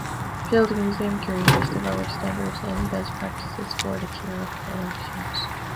Field Museum curators developed standards and best practices for the care of collections.